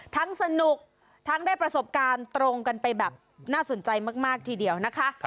สนุกทั้งได้ประสบการณ์ตรงกันไปแบบน่าสนใจมากทีเดียวนะคะ